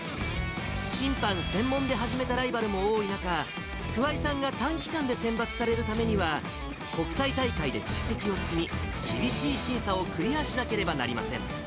審判専門で始めたライバルも多い中、桑井さんが短期間で選抜されるためには、国際大会で実績を積み、厳しい審査をクリアしなければなりません。